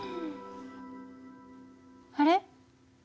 あれ？